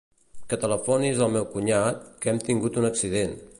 Que telefonis al meu cunyat, que hem tingut un accident.